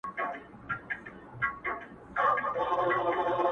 په ځان وهلو باندې خپل غزل ته رنگ ورکوي ـ